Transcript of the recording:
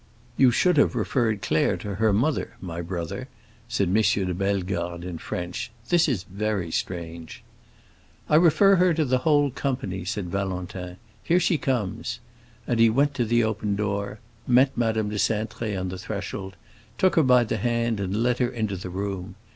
"You should have referred Claire to her mother, my brother," said M. de Bellegarde, in French. "This is very strange." "I refer her to the whole company!" said Valentin. "Here she comes!" And he went to the open door, met Madame de Cintré on the threshold, took her by the hand, and led her into the room.